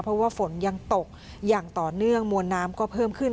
เพราะว่าฝนยังตกอย่างต่อเนื่องมวลน้ำก็เพิ่มขึ้น